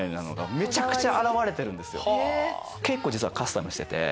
結構実はカスタムしてて。